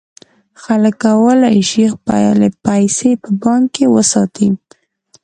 خلک کولای شي خپلې پیسې په بانک کې وساتي.